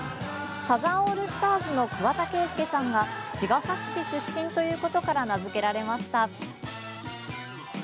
サザンオールスターズの桑田佳祐さんが茅ヶ崎市出身ということから名付けられました。